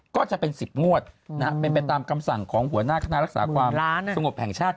ก็จะเป็น๑๐งวดเป็นไปตามคำสั่งของหัวหน้าคณะรักษาความสงบแห่งชาติ